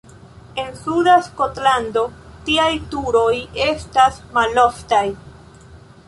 En suda Skotlando tiaj turoj estas maloftaj.